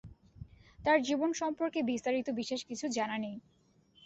তার জীবন সম্পর্কে বিস্তারিত বিশেষ কিছু জানা নেই।